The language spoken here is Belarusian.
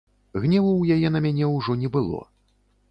Гневу ў яе на мяне ўжо не было.